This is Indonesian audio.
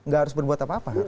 gak harus berbuat apa apa